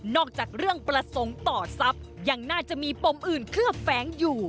จากเรื่องประสงค์ต่อทรัพย์ยังน่าจะมีปมอื่นเคลือบแฟ้งอยู่